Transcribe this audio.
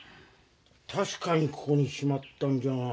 たしかにここにしまったんじゃが。